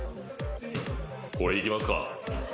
これいきますか。